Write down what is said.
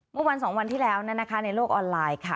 เมื่อวัน๒วันที่แล้วนะคะในโลกออนไลน์ค่ะ